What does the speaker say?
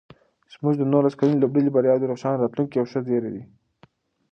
زموږ د نولس کلنې لوبډلې بریاوې د روښانه راتلونکي یو ښه زېری دی.